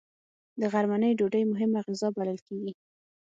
د غرمنۍ ډوډۍ مهمه غذا بلل کېږي